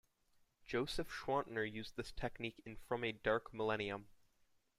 Joseph Schwantner used this technique in "From A Dark Millennium".